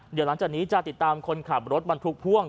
เดี๋ยวหลังจากนี้จะติดตามคนขับรถบรรทุกพ่วง